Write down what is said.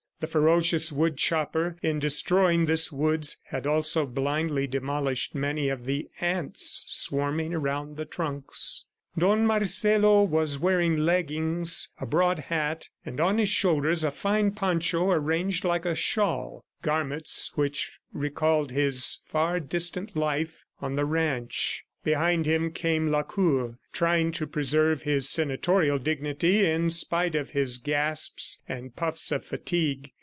The ferocious wood chopper, in destroying this woods, had also blindly demolished many of the ants swarming around the trunks. Don Marcelo was wearing leggings, a broad hat, and on his shoulders, a fine poncho arranged like a shawl garments which recalled his far distant life on the ranch. Behind him came Lacour trying to preserve his senatorial dignity in spite of his gasps and puffs of fatigue.